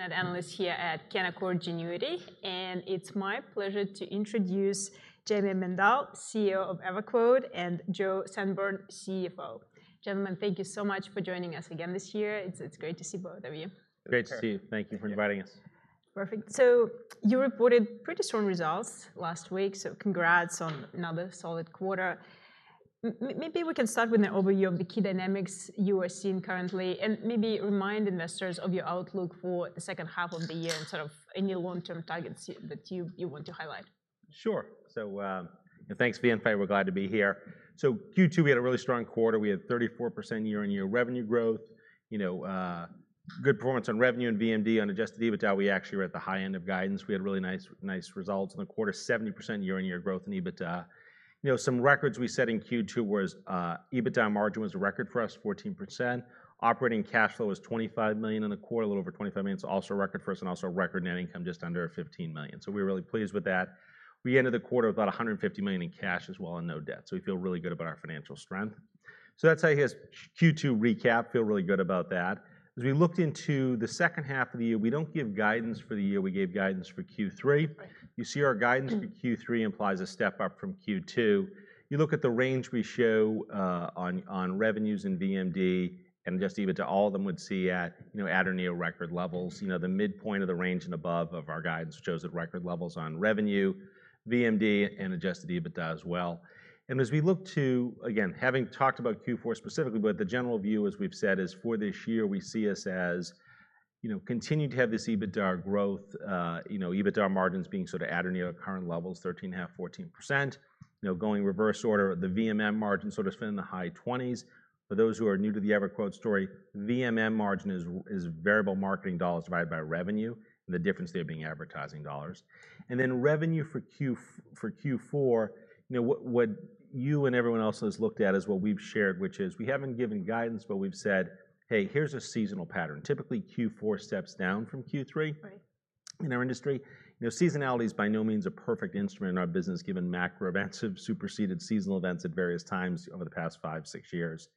An analyst here at Canaccord Genuity, and it's my pleasure to introduce Jayme Mendal, CEO of EverQuote, and Joe Sanborn, CFO. Gentlemen, thank you so much for joining us again this year. It's great to see both of you. Great to see you. Thank you for inviting us. Perfect. You reported pretty strong results last week, so congrats on another solid quarter. Maybe we can start with an overview of the key dynamics you are seeing currently, and maybe remind investors of your outlook for the second half of the year and sort of any long-term targets that you want to highlight. Sure. Thanks, [Maria]. We're glad to be here. Q2, we had a really strong quarter. We had 34% year-on-year revenue growth. Good performance on revenue and VMD on adjusted EBITDA. We actually were at the high end of guidance. We had really nice results in the quarter, 70% year-on-year growth in EBITDA. Some records we set in Q2 were EBITDA margin was a record for us, 14%. Operating cash flow was $25 million in a quarter, a little over $25 million. It's also a record for us and also a record net income, just under $15 million. We're really pleased with that. We ended the quarter with about $150 million in cash as well and no debt. We feel really good about our financial strength. That's how you guys Q2 recap. Feel really good about that. As we looked into the second half of the year, we don't give guidance for the year. We gave guidance for Q3. You see our guidance for Q3 implies a step up from Q2. You look at the range we show on revenues and VMD and adjusted EBITDA, all of them would see at or near record levels. The midpoint of the range and above of our guidance shows at record levels on revenue, VMD, and adjusted EBITDA as well. As we look to, again, having talked about Q4 specifically, the general view, as we've said, is for this year, we see us as continue to have this EBITDA growth, EBITDA margins being sort of at or near our current levels, 13.5%-14%. Going reverse order, the VMM margin sort of spending the high-20s percent. For those who are new to the EverQuote story, VMM margin is variable marketing dollars divided by revenue, and the difference there being advertising dollars. Revenue for Q4, what you and everyone else has looked at is what we've shared, which is we haven't given guidance, but we've said, "Hey, here's a seasonal pattern." Typically, Q4 steps down from Q3 in our industry. Seasonality is by no means a perfect instrument in our business, given macro events have superseded seasonal events at various times over the past five, six years.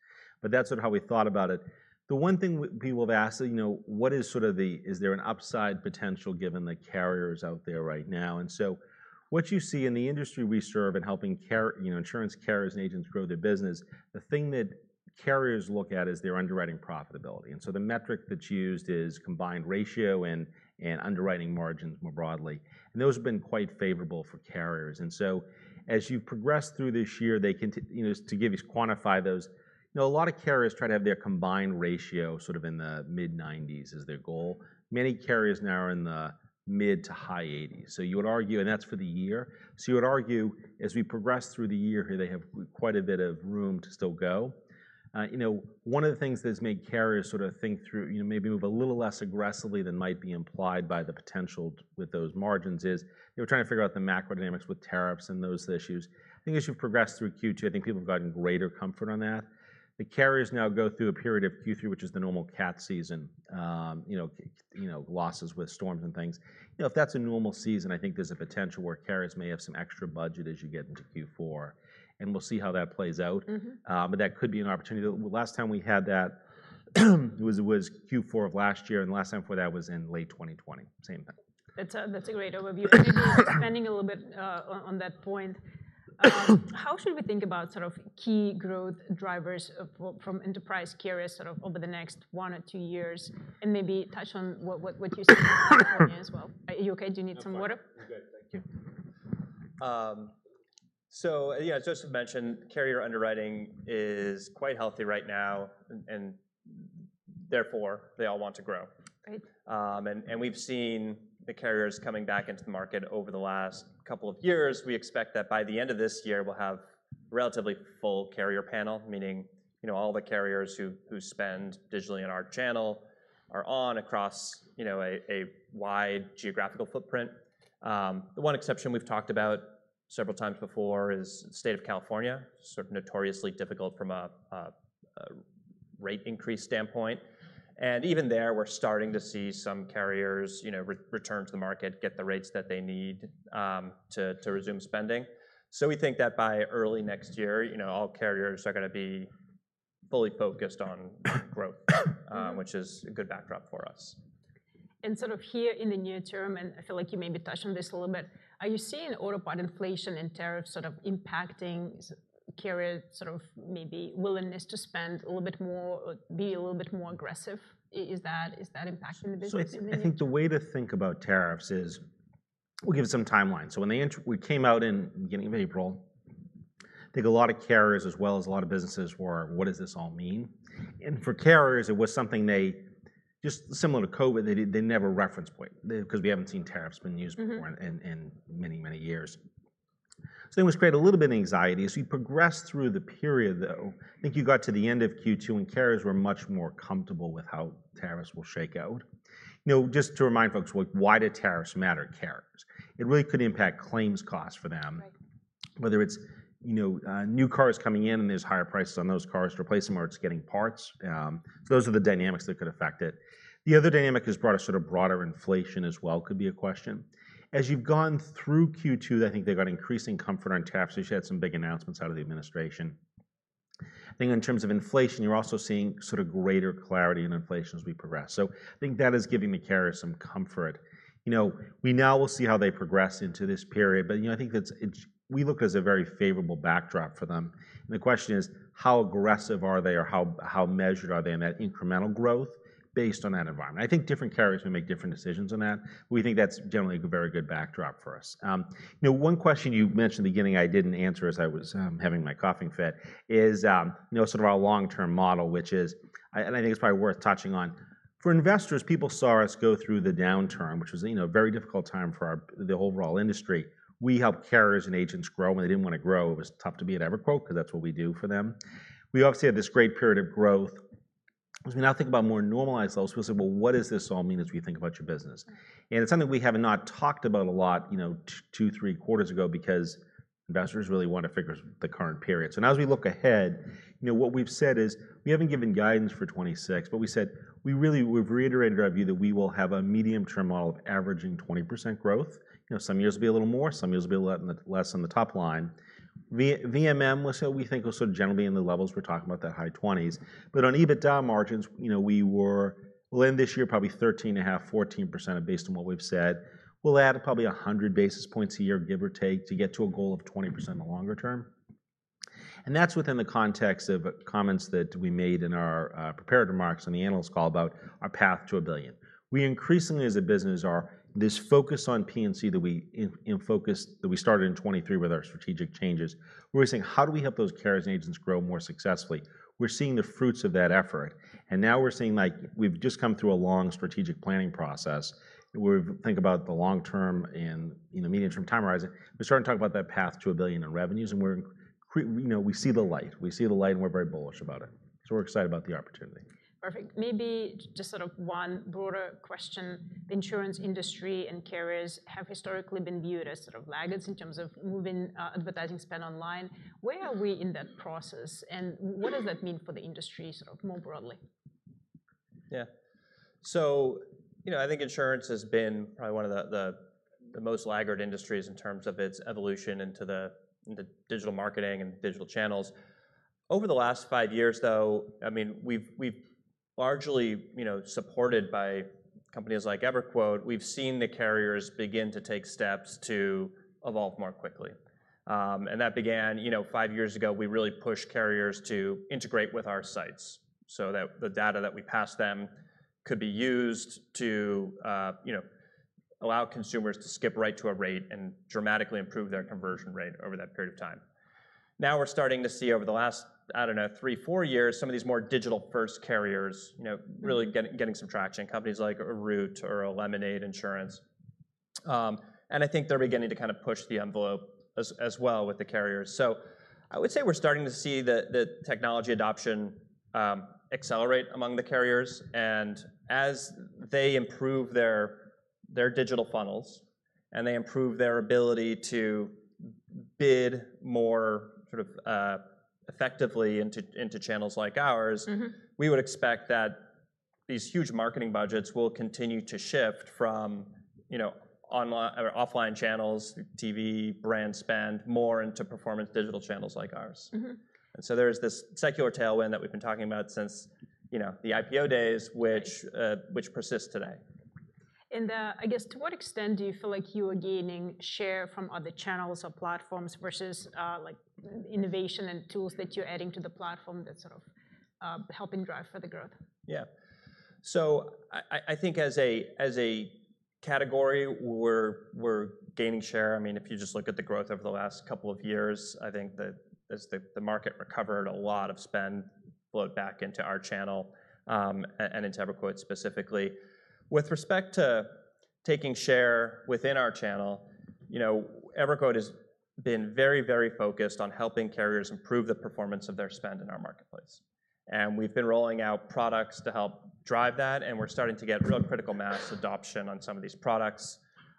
That's sort of how we thought about it. The one thing people have asked is, what is sort of the, is there an upside potential given the carriers out there right now? What you see in the industry we serve and helping insurance carriers and agents grow their business, the thing that carriers look at is their underwriting profitability. The metric that's used is combined ratio and underwriting margins more broadly. Those have been quite favorable for carriers. As you've progressed through this year, to quantify those, a lot of carriers try to have their combined ratio in the mid-90s percent as their goal. Many carriers now are in the mid to high-80s percent. You would argue, and that's for the year, as we progress through the year here, they have quite a bit of room to still go. One of the things that has made carriers think through, maybe move a little less aggressively than might be implied by the potential with those margins, is they were trying to figure out the macro dynamics with tariffs and those issues. I think as you've progressed through Q2, people have gotten greater comfort on that. The carriers now go through a period of Q3, which is the normal cat season, losses with storms and things. If that's a normal season, I think there's a potential where carriers may have some extra budget as you get into Q4. We'll see how that plays out. That could be an opportunity. The last time we had that was Q4 of last year, and the last time for that was in late 2020, same time. That's a great overview. Maybe expanding a little bit on that point, how should we think about sort of key growth drivers from enterprise carriers over the next one or two years, and maybe touch on what you see as well? Are you okay? Do you need some water? Carrier underwriting is quite healthy right now, and therefore they all want to grow. Right. We have seen the carriers coming back into the market over the last couple of years. We expect that by the end of this year, we'll have a relatively full carrier panel, meaning all the carriers who spend digitally in our channel are on across a wide geographical footprint. The one exception we've talked about several times before is the state of California, which is notoriously difficult from a rate increase standpoint. Even there, we're starting to see some carriers return to the market and get the rates that they need to resume spending. We think that by early next year, all carriers are going to be fully focused on growth, which is a good backdrop for us. Here in the near term, and I feel like you maybe touched on this a little bit, are you seeing auto inflation and tariffs impacting carriers' willingness to spend a little bit more, be a little bit more aggressive? Is that impacting the business? I think the way to think about tariffs is we'll give you some timeline. When we came out in the beginning of April, I think a lot of carriers as well as a lot of businesses were, "What does this all mean?" For carriers, it was something they just, similar to COVID, they never referenced because we haven't seen tariffs been used in many, many years. It created a little bit of anxiety. As you progress through the period, I think you got to the end of Q2 and carriers were much more comfortable with how tariffs will shake out. Just to remind folks, why do tariffs matter to carriers? It really could impact claims costs for them, whether it's new cars coming in and there's higher prices on those cars to replace them or it's getting parts. Those are the dynamics that could affect it. The other dynamic is broader inflation as well could be a question. As you've gone through Q2, I think they've got increasing comfort on tariffs as you had some big announcements out of the administration. In terms of inflation, you're also seeing greater clarity in inflation as we progress. I think that is giving the carriers some comfort. We now will see how they progress into this period. I think that we look as a very favorable backdrop for them. The question is, how aggressive are they or how measured are they in that incremental growth based on that environment? I think different carriers may make different decisions on that. We think that's generally a very good backdrop for us. One question you mentioned at the beginning I didn't answer as I was having my coughing fit is our long-term model, which is, and I think it's probably worth touching on, for investors, people saw us go through the downturn, which was a very difficult time for the overall industry. We helped carriers and agents grow when they didn't want to grow. It was tough to be at EverQuote because that's what we do for them. We obviously had this great period of growth. As we now think about more normalized levels, we'll say, what does this all mean as we think about your business? It's something we have not talked about a lot, two, three quarters ago because investors really want to figure out the current period. As we look ahead, what we've said is we haven't given guidance for 2026, but we've reiterated our view that we will have a medium-term model of averaging 20% growth. Some years will be a little more, some years will be a little less on the top line. VMM, we think will generally be in the levels we're talking about, that high-20s percent. On EBITDA margins, we will end this year probably 13.5%-14% based on what we've said. We'll add probably 100 basis points a year, give or take, to get to a goal of 20% in the longer term. That's within the context of comments that we made in our prepared remarks in the analyst call about our path to $1 billion. We increasingly, as a business, are this focus on P&C that we started in 2023 with our strategic changes, where we're saying, how do we help those carriers and agents grow more successfully? We're seeing the fruits of that effort. We've just come through a long strategic planning process where we think about the long-term and medium-term time horizon. We're starting to talk about that path to a billion in revenues. We see the light and we're very bullish about it. We're excited about the opportunity. Perfect. Maybe just sort of one broader question. The insurance industry and carriers have historically been viewed as sort of laggards in terms of moving advertising spend online. Where are we in that process? What does that mean for the industry sort of more broadly? Yeah. I think insurance has been probably one of the most laggard industries in terms of its evolution into digital marketing and digital channels. Over the last five years, we've largely, supported by companies like EverQuote, seen the carriers begin to take steps to evolve more quickly. That began five years ago. We really pushed carriers to integrate with our sites so that the data that we pass them could be used to allow consumers to skip right to a rate and dramatically improve their conversion rate over that period of time. Now we're starting to see over the last, I don't know, three, four years, some of these more digital-first carriers really getting some traction, companies like Root or Lemonade Insurance. I think they're beginning to kind of push the envelope as well with the carriers. I would say we're starting to see the technology adoption accelerate among the carriers. As they improve their digital funnels and they improve their ability to bid more sort of effectively into channels like ours, we would expect that these huge marketing budgets will continue to shift from offline channels, TV, brand spend, more into performance digital channels like ours. There is this secular tailwind that we've been talking about since the IPO days, which persists today. To what extent do you feel like you are gaining share from other channels or platforms versus innovation and tools that you're adding to the platform that's sort of helping drive the growth? Yeah. I think as a category, we're gaining share. If you just look at the growth over the last couple of years, I think that as the market recovered, a lot of spend flowed back into our channel and into EverQuote specifically. With respect to taking share within our channel, you know, EverQuote has been very, very focused on helping carriers improve the performance of their spend in our marketplace. We've been rolling out products to help drive that, and we're starting to get real critical mass adoption on some of these products.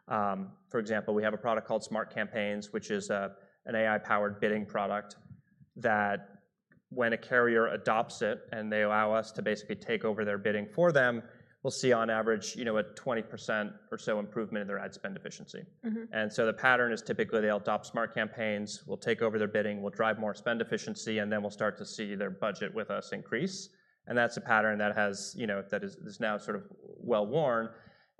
For example, we have a product called Smart Campaigns, which is an AI-powered bidding product that, when a carrier adopts it and they allow us to basically take over their bidding for them, we'll see on average, you know, a 20% or so improvement in their ad spend efficiency. The pattern is typically they'll adopt Smart Campaigns, we'll take over their bidding, we'll drive more spend efficiency, and then we'll start to see their budget with us increase. That's a pattern that is now sort of well-worn.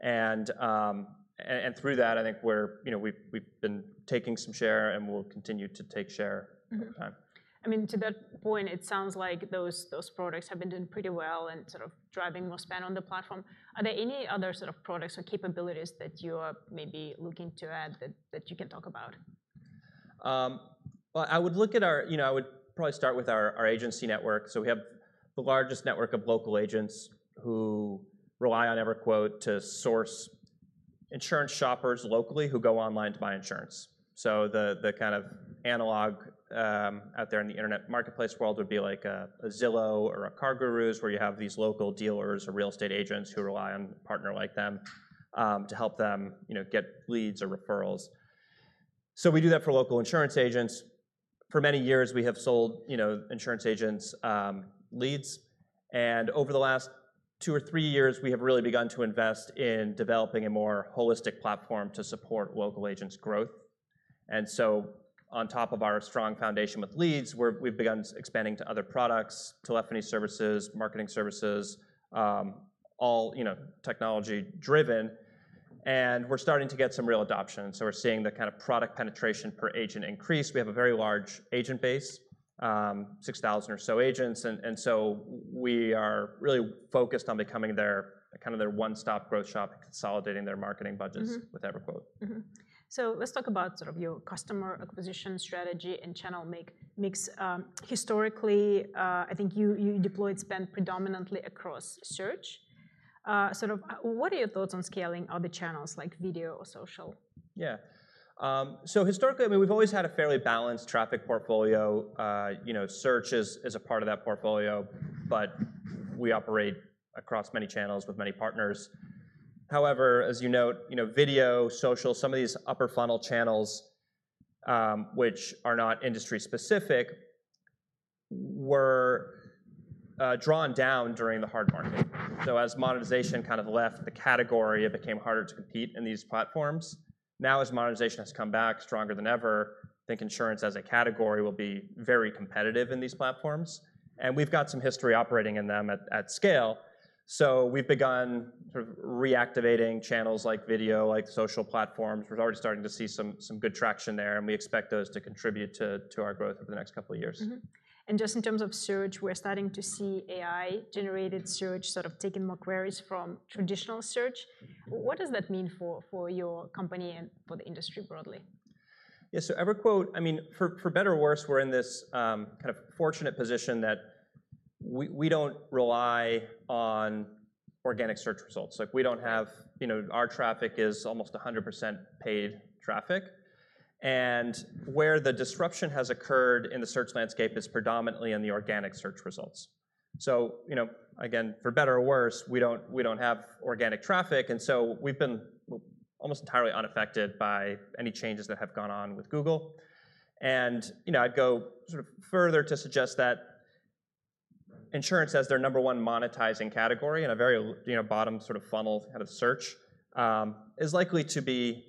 Through that, I think we've been taking some share and we'll continue to take share over time. I mean, to that point, it sounds like those products have been doing pretty well and sort of driving more spend on the platform. Are there any other sort of products or capabilities that you are maybe looking to add that you can talk about? I would probably start with our agency network. We have the largest network of local agents who rely on EverQuote to source insurance shoppers locally who go online to buy insurance. The kind of analog out there in the internet marketplace world would be like a Zillow or a CarGurus where you have these local dealers or real estate agents who rely on a partner like them to help them get leads or referrals. We do that for local insurance agents. For many years, we have sold insurance agents leads. Over the last two or three years, we have really begun to invest in developing a more holistic platform to support local agents' growth. On top of our strong foundation with leads, we've begun expanding to other products, telephony services, marketing services, all technology-driven. We're starting to get some real adoption. We're seeing the kind of product penetration per agent increase. We have a very large agent base, 6,000 or so agents. We are really focused on becoming their one-stop growth shop, consolidating their marketing budgets with EverQuote. Let's talk about sort of your customer acquisition strategy and channel mix. Historically, I think you deployed spend predominantly across search. What are your thoughts on scaling other channels like video or social? Yeah. Historically, we've always had a fairly balanced traffic portfolio. Search is a part of that portfolio, but we operate across many channels with many partners. However, as you note, video, social, some of these upper-funnel channels, which are not industry-specific, were drawn down during the hard market. As monetization kind of left the category, it became harder to compete in these platforms. Now, as monetization has come back stronger than ever, I think insurance as a category will be very competitive in these platforms. We've got some history operating in them at scale. We've begun sort of reactivating channels like video, like social platforms. We're already starting to see some good traction there, and we expect those to contribute to our growth over the next couple of years. In terms of search, we're starting to see AI-generated search sort of taking more queries from traditional search. What does that mean for your company and for the industry broadly? Yeah, so EverQuote, I mean, for better or worse, we're in this kind of fortunate position that we don't rely on organic search results. We don't have, you know, our traffic is almost 100% paid traffic. Where the disruption has occurred in the search landscape is predominantly in the organic search results. For better or worse, we don't have organic traffic, and we've been almost entirely unaffected by any changes that have gone on with Google. I'd go sort of further to suggest that insurance as their number one monetizing category in a very, you know, bottom sort of funnel out of search is likely to be,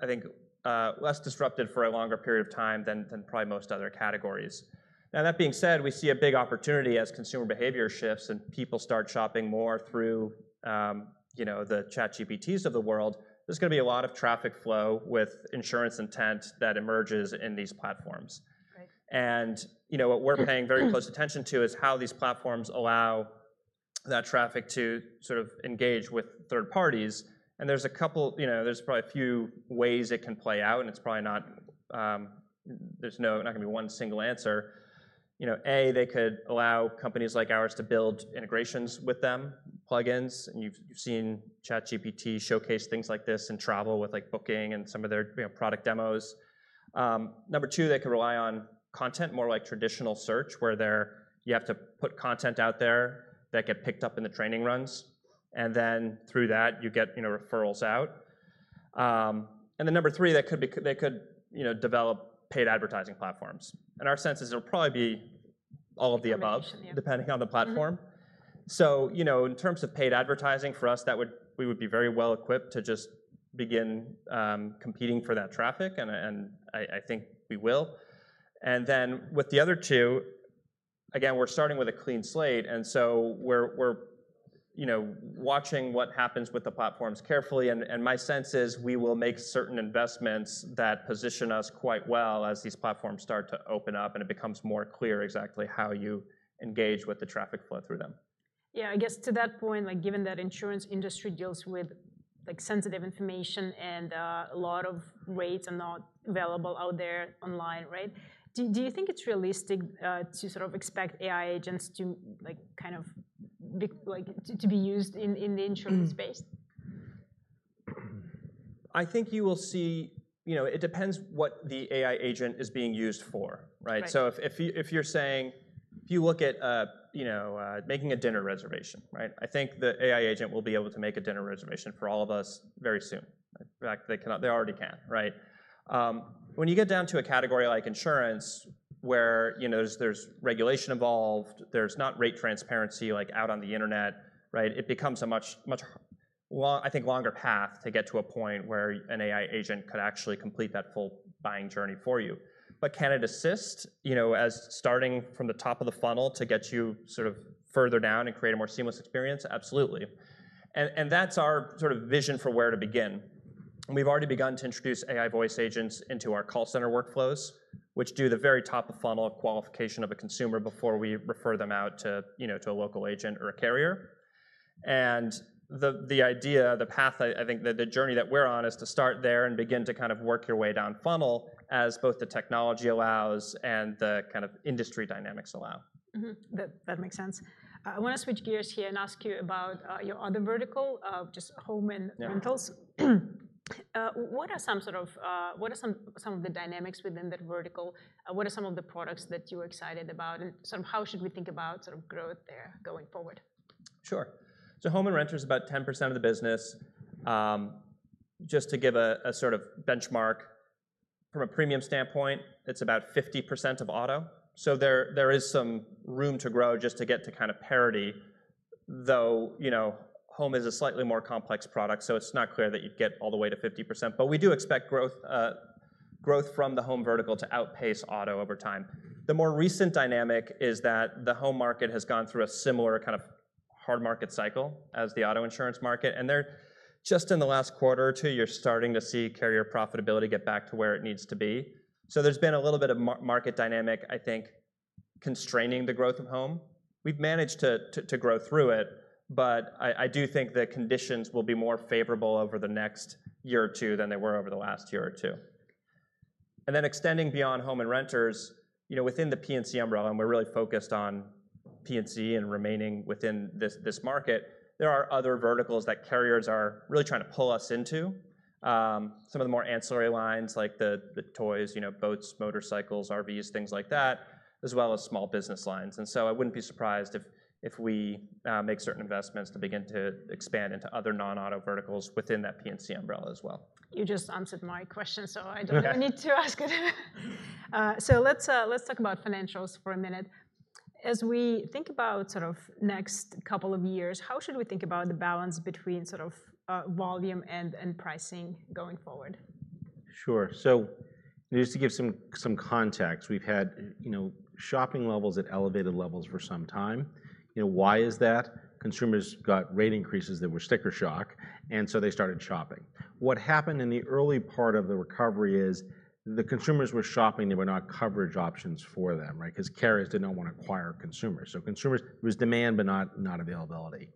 I think, less disruptive for a longer period of time than probably most other categories. That being said, we see a big opportunity as consumer behavior shifts and people start shopping more through, you know, the ChatGPTs of the world. There's going to be a lot of traffic flow with insurance intent that emerges in these platforms. Right. What we're paying very close attention to is how these platforms allow that traffic to sort of engage with third parties. There's probably a few ways it can play out. It's probably not going to be one single answer. A, they could allow companies like ours to build integrations with them, plugins. You've seen ChatGPT showcase things like this in travel with booking and some of their product demos. Number two, they could rely on content more like traditional search where you have to put content out there that gets picked up in the training runs. Through that, you get referrals out. Number three, they could develop paid advertising platforms. Our sense is it'll probably be all of the above, depending on the platform. In terms of paid advertising for us, we would be very well equipped to just begin competing for that traffic. I think we will. With the other two, again, we're starting with a clean slate. We're watching what happens with the platforms carefully. My sense is we will make certain investments that position us quite well as these platforms start to open up and it becomes more clear exactly how you engage with the traffic flow through them. Yeah, I guess to that point, given that the insurance industry deals with sensitive information and a lot of rates are not available out there online, right? Do you think it's realistic to expect AI agents to be used in the insurance space? I think you will see, you know, it depends what the AI agent is being used for, right? If you're saying, if you look at, you know, making a dinner reservation, right? I think the AI agent will be able to make a dinner reservation for all of us very soon. In fact, they already can, right? When you get down to a category like insurance, where there's regulation involved, there's not rate transparency like out on the internet, right? It becomes a much, much longer, I think, longer path to get to a point where an AI agent could actually complete that full buying journey for you. Can it assist, you know, as starting from the top of the funnel to get you sort of further down and create a more seamless experience? Absolutely. That's our sort of vision for where to begin. We've already begun to introduce AI voice agents into our call center workflows, which do the very top of funnel qualification of a consumer before we refer them out to, you know, to a local agent or a carrier. The idea, the path, I think that the journey that we're on is to start there and begin to kind of work your way down funnel as both the technology allows and the kind of industry dynamics allow. That makes sense. I want to switch gears here and ask you about your other vertical, just home and renters. What are some of the dynamics within that vertical? What are some of the products that you're excited about? How should we think about growth there going forward? Sure. Home and renters are about 10% of the business. Just to give a sort of benchmark from a premium standpoint, it's about 50% of auto. There is some room to grow just to get to kind of parity, though, you know, home is a slightly more complex product. It's not clear that you'd get all the way to 50%. We do expect growth from the home vertical to outpace auto over time. The more recent dynamic is that the home market has gone through a similar kind of hard market cycle as the auto insurance market. In the last quarter or two, you're starting to see carrier profitability get back to where it needs to be. There's been a little bit of market dynamic, I think, constraining the growth of home. We've managed to grow through it, but I do think the conditions will be more favorable over the next year or two than they were over the last year or two. Extending beyond home and renters, within the P&C umbrella, and we're really focused on P&C and remaining within this market, there are other verticals that carriers are really trying to pull us into. Some of the more ancillary lines like the toys, boats, motorcycles, RVs, things like that, as well as small business lines. I wouldn't be surprised if we make certain investments to begin to expand into other non-auto verticals within that P&C umbrella as well. You just answered my question, so I don't need to ask it. Let's talk about financials for a minute. As we think about the next couple of years, how should we think about the balance between volume and pricing going forward? Sure. Just to give some context, we've had shopping levels at elevated levels for some time. Why is that? Consumers got rate increases that were sticker shock, and so they started shopping. What happened in the early part of the recovery is the consumers were shopping, but there were not coverage options for them, right? Carriers did not want to acquire consumers, so there was demand but not availability.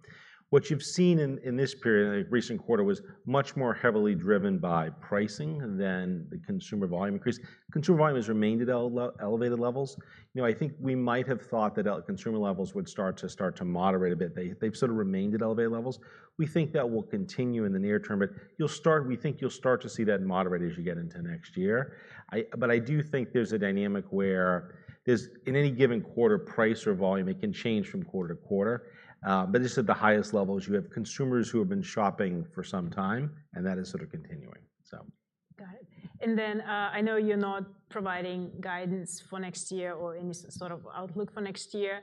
What you've seen in this period, in a recent quarter, was much more heavily driven by pricing than the consumer volume increase. Consumer volume has remained at elevated levels. I think we might have thought that consumer levels would start to moderate a bit. They've sort of remained at elevated levels. We think that will continue in the near term, but we think you'll start to see that moderate as you get into next year. I do think there's a dynamic where, in any given quarter, price or volume can change from quarter to quarter. This is at the highest levels. You have consumers who have been shopping for some time, and that is sort of continuing. Got it. I know you're not providing guidance for next year or any sort of outlook for next year.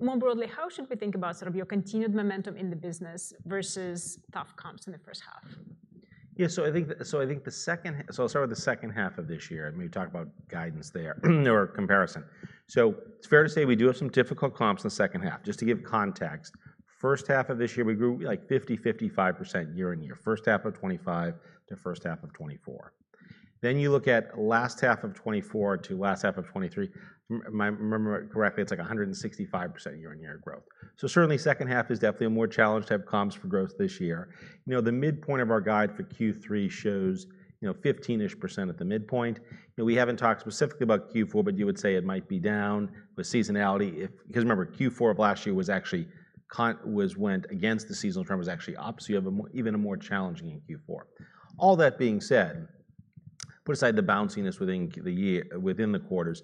More broadly, how should we think about sort of your continued momentum in the business versus tough comps in the first half? Yeah, so I think the second half, so I'll start with the second half of this year, and we talk about guidance there or comparison. It's fair to say we do have some difficult comps in the second half. Just to give context, first half of this year, we grew like 50%, 55% year-on-year. First half of 2025 to first half of 2024. Then you look at last half of 2024 to last half of 2023. If I remember correctly, it's like 165% year-on-year growth. Certainly, second half is definitely a more challenged type of comps for growth this year. The midpoint of our guide for Q3 shows 15-ish percent at the midpoint. We haven't talked specifically about Q4, but you would say it might be down with seasonality because remember, Q4 of last year actually went against the seasonal trend, was actually up. You have even a more challenging Q4. All that being said, put aside the bounciness within the year, within the quarters,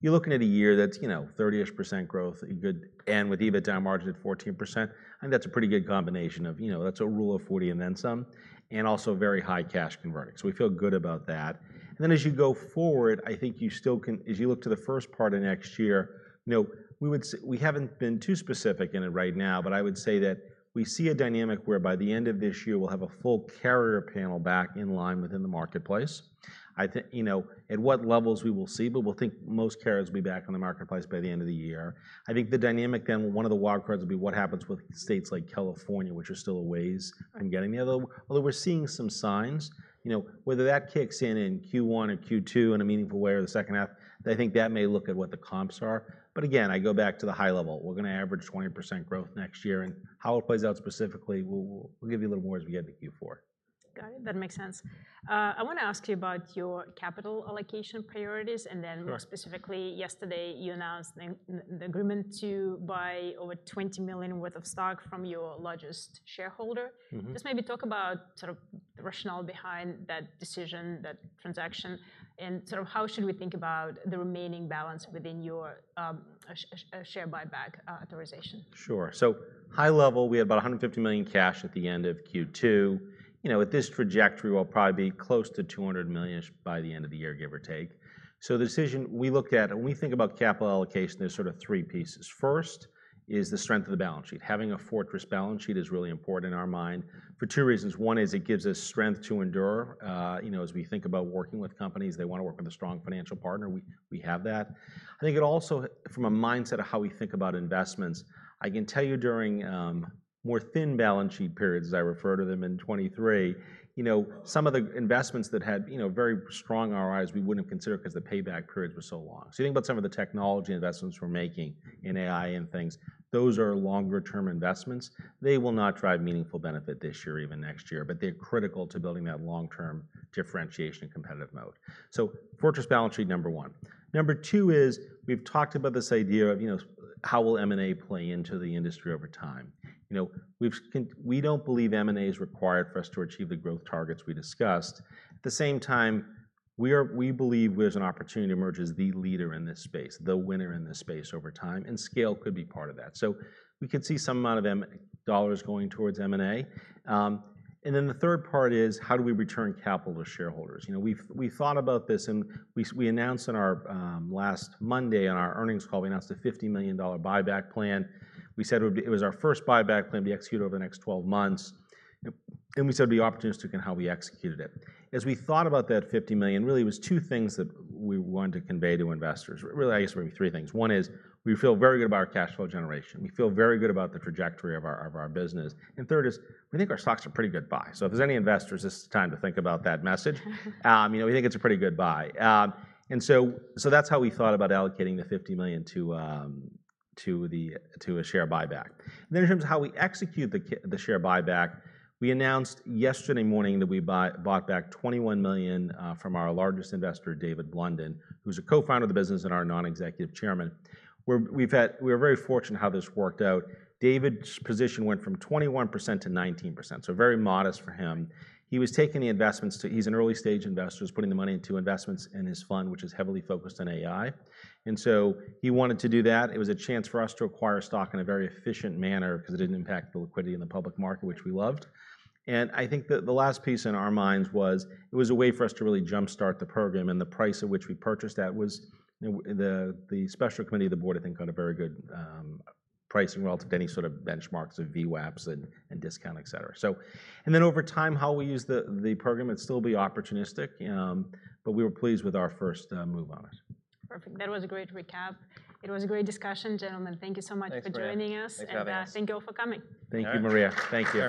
you're looking at a year that's 30% growth, a good, and with EBITDA margin at 14%. I think that's a pretty good combination of, that's a Rule of 40 and then some, and also very high cash converting. We feel good about that. As you go forward, I think you still can, as you look to the first part of next year, we would say we haven't been too specific in it right now, but I would say that we see a dynamic where by the end of this year, we'll have a full carrier panel back in line within the marketplace. At what levels we will see, but we'll think most carriers will be back in the marketplace by the end of the year. I think the dynamic then, one of the wild cards will be what happens with states like California, which are still a ways on getting there, although we're seeing some signs, whether that kicks in in Q1 or Q2 in a meaningful way or the second half, I think that may look at what the comps are. Again, I go back to the high level. We're going to average 20% growth next year and how it plays out specifically, we'll give you a little more as we get to Q4. Got it. That makes sense. I want to ask you about your capital allocation priorities. More specifically, yesterday you announced an agreement to buy over $20 million worth of stock from your largest shareholder. Maybe talk about the rationale behind that decision, that transaction, and how should we think about the remaining balance within your share buyback authorization? Sure. High level, we had about $150 million cash at the end of Q2. At this trajectory, we'll probably be close to $200 million by the end of the year, give or take. The decision we looked at, and when we think about capital allocation, there's sort of three pieces. First is the strength of the balance sheet. Having a fortress balance sheet is really important in our mind for two reasons. One is it gives us strength to endure. As we think about working with companies, they want to work with a strong financial partner. We have that. I think it also, from a mindset of how we think about investments, I can tell you during more thin balance sheet periods, as I refer to them in 2023, some of the investments that had very strong ROIs, we wouldn't have considered because the payback periods were so long. You think about some of the technology investments we're making in AI and things, those are longer-term investments. They will not drive meaningful benefit this year, even next year, but they're critical to building that long-term differentiation in competitive mode. Fortress balance sheet, number one. Number two is we've talked about this idea of how will M&A play into the industry over time. We don't believe M&A is required for us to achieve the growth targets we discussed. At the same time, we believe there's an opportunity to emerge as the leader in this space, the winner in this space over time, and scale could be part of that. We could see some amount of dollars going towards M&A. The third part is how do we return capital to shareholders. We've thought about this and we announced on our last Monday on our earnings call, we announced a $50 million buyback plan. We said it was our first buyback plan to be executed over the next 12 months. We said it'd be opportunistic in how we executed it. As we thought about that $50 million, really it was two things that we wanted to convey to investors. Really, I guess there were three things. One is we feel very good about our cash flow generation. We feel very good about the trajectory of our business. Third is we think our stocks are a pretty good buy. If there's any investors, this is the time to think about that message. We think it's a pretty good buy. That's how we thought about allocating the $50 million to a share buyback. In terms of how we execute the share buyback, we announced yesterday morning that we bought back $21 million from our largest investor, David Blundin, who's a co-founder of the business and our Non-Executive Chairman. We're very fortunate how this worked out. David's position went from 21% to 19%. Very modest for him. He was taking the investments to, he's an early-stage investor, is putting the money into investments in his fund, which is heavily focused on AI. He wanted to do that. It was a chance for us to acquire stock in a very efficient manner because it didn't impact the liquidity in the public market, which we loved. I think the last piece in our minds was it was a way for us to really jumpstart the program and the price at which we purchased that was, you know, the special committee of the board, I think, got a very good pricing relative to any sort of benchmarks of VWAPs and discount, et cetera. Over time, how we use the program, it's still be opportunistic, but we were pleased with our first move on it. Perfect. That was a great recap. It was a great discussion, gentlemen. Thank you so much for joining us. Thank you all for coming. Thank you, Maria. Thank you.